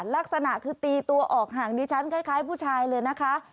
ลักษณะคือตีตัวออกห่างดิฉันคล้ายผู้ชายเลยนะคะ